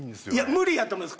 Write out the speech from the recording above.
無理やと思います